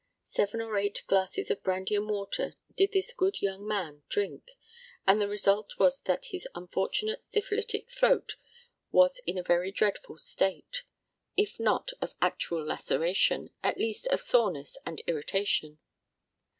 Seven or eight glasses of brandy and water did this good young man drink, and the result was that his unfortunate syphilitic throat was in a very dreadful state, if not of actual laceration, at least of soreness and irritation.